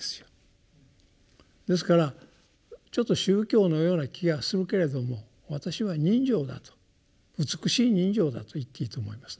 ですからちょっと宗教のような気がするけれども私は人情だと美しい人情だと言っていいと思いますね。